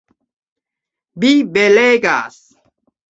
Vi belegas!